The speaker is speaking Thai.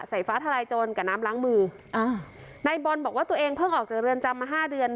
ฟ้าทลายโจรกับน้ำล้างมืออ่านายบอลบอกว่าตัวเองเพิ่งออกจากเรือนจำมาห้าเดือน